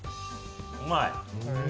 うまい。